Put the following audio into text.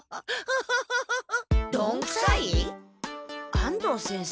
安藤先生